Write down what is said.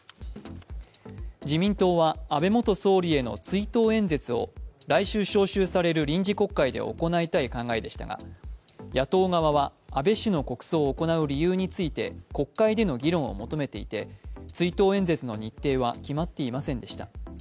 自民党は、安倍元総理への追悼演説を来週召集される臨時国会で行いたい考えでしたが、野党側は安倍氏の国葬を行う理由について国会での議論を求めていて追悼演説の日程は決まっていませんでした。